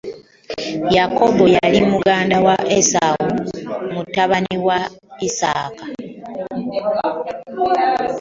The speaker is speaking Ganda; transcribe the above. Yakobo yali muganda wa Esawo batabani ba Yisaaka.